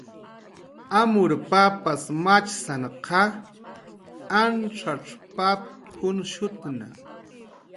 Amur papas machsana, wanwaniw yuryani.